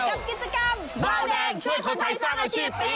กับกิจกรรมเบาแดงช่วยคนไทยสร้างอาชีพปี